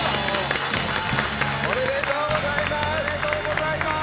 おめでとうございます！